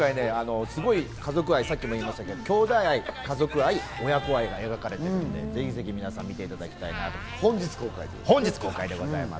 本当に今回はさっきも言いましたけど、兄弟愛、家族愛、親子愛が描かれているので、ぜひ皆さんに見ていただきたいと思います。